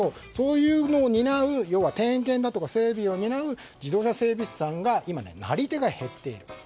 そういうのを担う、点検とか整備を担う自動車整備士さんのなり手が今、減っている。